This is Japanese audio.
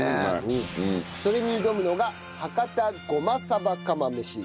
それに挑むのが博多ごまさば釜飯。